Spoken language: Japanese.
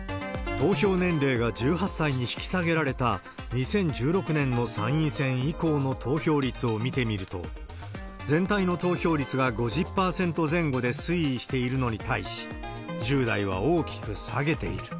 投票年齢が１８歳に引き下げられた２０１６年の参院選以降の投票率を見てみると、全体の投票率が５０％前後で推移しているのに対し、１０代は大きく下げている。